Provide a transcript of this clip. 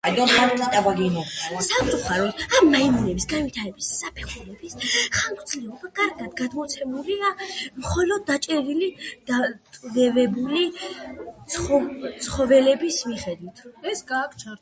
სამწუხაროდ, ამ მაიმუნების განვითარების საფეხურების ხანგრძლივობა კარგად გადმოცემულია მხოლოდ დაჭერილი, დატყვევებული ცხოველების მიხედვით.